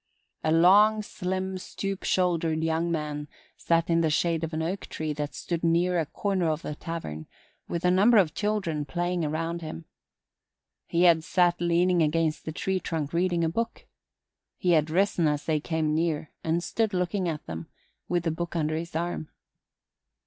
A long, slim, stoop shouldered young man sat in the shade of an oak tree that stood near a corner of the tavern, with a number of children playing around him. He had sat leaning against the tree trunk reading a book. He had risen as they came near and stood looking at them, with the book under his arm.